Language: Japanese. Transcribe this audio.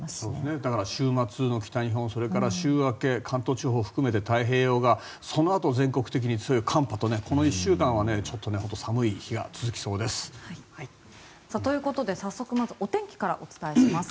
だから週末の北日本それから週明け、関東地方を含めて太平洋側そのあと全国的に強い寒波とこの１週間はちょっと本当に寒い日が続きそうです。ということで早速まずお天気からお伝えします。